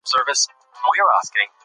هیله انسان هڅو ته هڅوي.